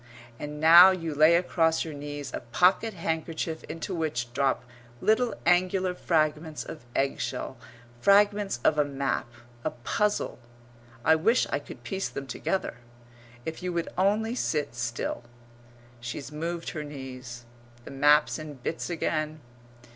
And now you lay across your knees a pocket handkerchief into which drop little angular fragments of eggshell fragments of a map a puzzle. I wish I could piece them together! If you would only sit still. She's moved her knees the map's in bits again.